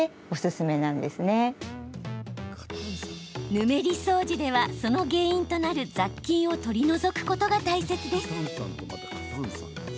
ヌメリ掃除ではその原因となる雑菌を取り除くことが大切です。